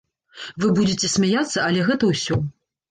Вы будзіце смяяцца, але гэта ўсё.